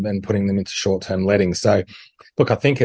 saya pikir ini adalah pergerakan yang baik